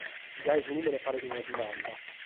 Gasi su nùmene paret una dimanda.